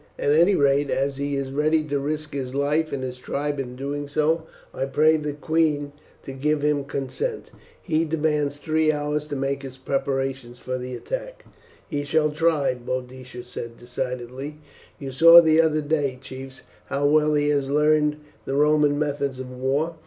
"At any rate, as he is ready to risk his life and his tribe in doing so, I pray the queen to give her consent. He demands three hours to make his preparations for the attack." "He shall try," Boadicea said decidedly. "You saw the other day, chiefs, how well he has learned the Roman methods of war.